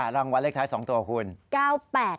ตั้งวันเลขไทย๒ตัวของคุณ